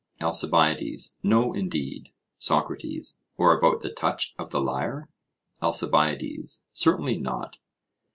ALCIBIADES: No, indeed. SOCRATES: Or about the touch of the lyre? ALCIBIADES: Certainly not.